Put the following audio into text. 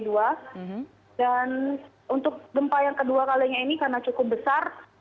dan untuk gempa yang kedua kalinya ini karena cukup besar